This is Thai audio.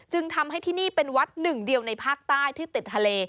จึงทำให้ที่นี่เป็นวัดหนึ่งเดียวในภาคใต้ที่ติดทะเล